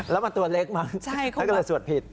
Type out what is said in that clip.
แล้วมันตัวเล็กมั้งฉันก็เลยสวดผิด